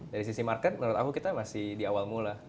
dari sisi market menurut aku kita masih di awal mula